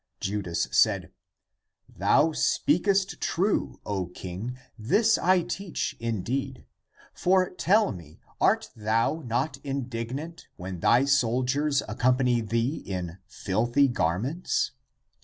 Judas said, "Thou speakest true, O king; this I teach indeed. For tell me : art thou not indignant when thy sol diers accompany thee in filthy garments?